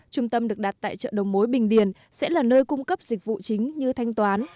trung tâm được đặt tại chợ đầu mối bình điền sẽ là nơi cung cấp dịch vụ chính như thanh toán